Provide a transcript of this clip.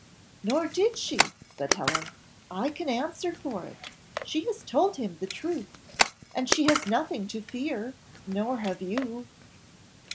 "Nor did she," said Helen. "I can answer for it she has told him the truth and she has nothing to fear, nor have you."